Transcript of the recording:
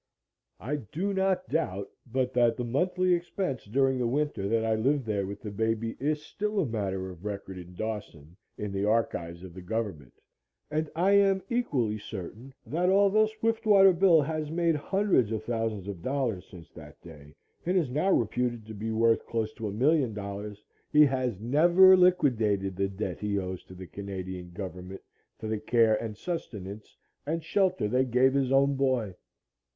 I do not doubt but that the monthly expense during the winter that I lived there with the baby is still a matter of record in Dawson in the archives of the government, and I am equally certain that, although Swiftwater Bill has made hundreds of thousands of dollars since that day and is now reputed to be worth close to $1,000,000, he has never liquidated the debt he owes to the Canadian government for the care and sustenance and shelter they gave his own boy.